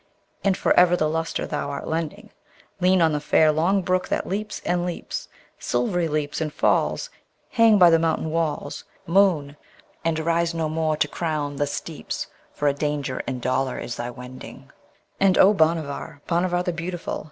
And for ever the lustre thou art lending, Lean on the fair long brook that leaps and leaps, Silvery leaps and falls. Hang by the mountain walls, Moon! and arise no more to crown the steeps, For a danger and dolour is thy wending! And, O Bhanavar, Bhanavar the Beautiful!